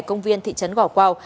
công viên thị trấn gò quao